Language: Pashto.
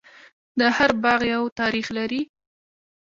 هر باغ یو تاریخ لري.